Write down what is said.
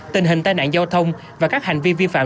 tình hình tai nạn giao thông và các hành vi vi phạm